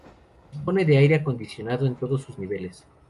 Dispone de aire acondicionado en todos sus niveles.